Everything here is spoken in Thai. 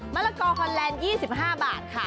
มะหลอกอกฮอนแลนด์๒๕บาทค่ะ